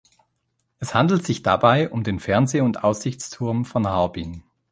Es handelt sich dabei um den Fernseh- und Aussichtsturm von Harbin.